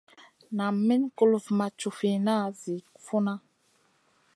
Nam Min kulufn ma cufina zi funa.